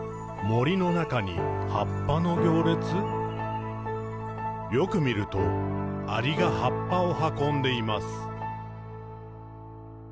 「森の中に、葉っぱの行列」「よく見ると、アリが葉っぱをはこんでいます。」